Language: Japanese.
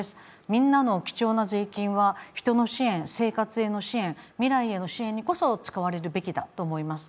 みんなの貴重な税金は人の支援、生活への支援、未来への支援にこそ使われるべきだと思います。